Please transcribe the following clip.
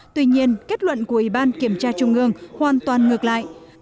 tuy nhiên kết luận của ủy ban kiểm tra trung ương hoàn toàn ngược lại